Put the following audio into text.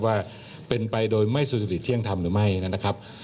ว่าเป็นไปโดยไม่สุจริตเที่ยงธรรมหรือไม่นะครับ